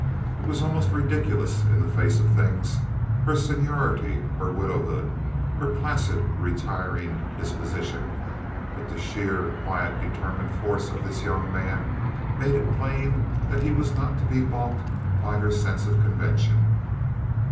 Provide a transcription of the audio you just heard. It was almost ridiculous in the face of things—her seniority, her widowhood, her placid, retiring disposition—but the sheer, quiet, determined force of this young man made it plain that he was not to be balked by her sense of convention.